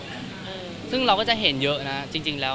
ครับครับครับครับครับครับครับครับครับครับครับครับครับครับ